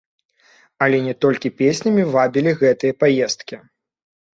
Але не толькі песнямі вабілі гэтыя паездкі.